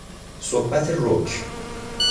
صحبت رک